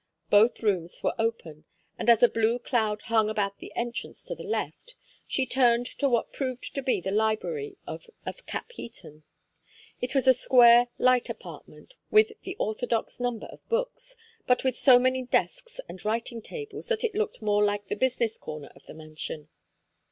Both rooms were open, and as a blue cloud hung about the entrance to the left, she turned to what proved to be the library of Capheaton. It was a square light apartment, with the orthodox number of books, but with so many desks and writing tables that it looked more like the business corner of the mansion.